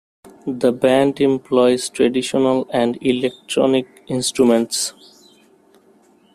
The band employs traditional and electronic instruments.